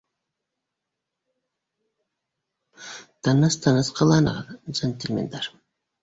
Тыныс, тыныс ҡыланығыҙ, джентельмендар